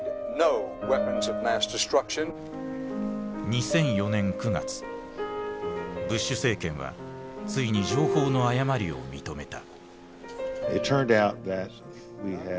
２００４年９月ブッシュ政権はついに情報の誤りを認めた。